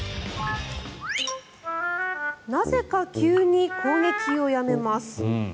なぜか急に攻撃をやめます。